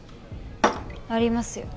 ありますよ。